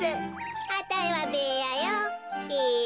あたいはベーヤよべ。